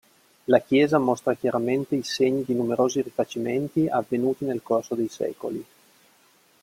La chiesa mostra chiaramente i segni di numerosi rifacimenti avvenuti nel corso dei secoli.